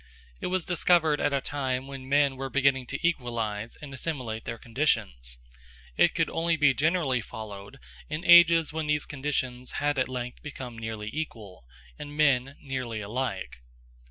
It was discovered at a time when men were beginning to equalize and assimilate their conditions. It could only be generally followed in ages when those conditions had at length become nearly equal, and men nearly alike.